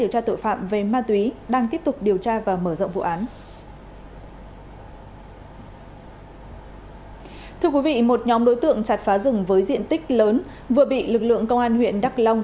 thưa quý vị một nhóm đối tượng chặt phá rừng với diện tích lớn vừa bị lực lượng công an huyện đắk long